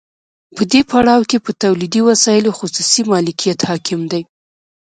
په دې پړاو کې په تولیدي وسایلو خصوصي مالکیت حاکم دی